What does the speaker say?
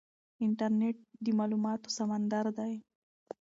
انټرنیټ د معلوماتو سمندر دی.